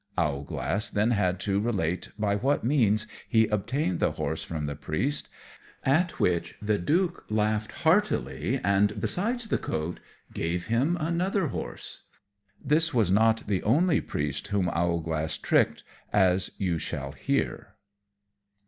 Owlglass then had to relate by what means he obtained the horse from the Priest; at which the Duke laughed heartily, and besides the coat gave him another horse. [Illustration: Owlglass's Confession.] This was not the only priest whom Owlglass tricked, as you shall hear.